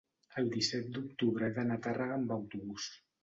el disset d'octubre he d'anar a Tàrrega amb autobús.